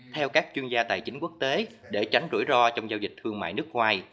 theo các chuyên gia tài chính quốc tế để tránh rủi ro trong giao dịch thương mại nước ngoài